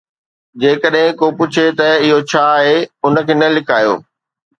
جيڪڏهن ڪو پڇي ته اهو ڇا آهي، ان کي نه لڪايو